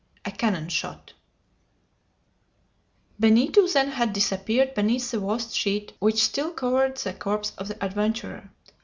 A CANNON SHOT Benito then had disappeared beneath the vast sheet which still covered the corpse of the adventurer.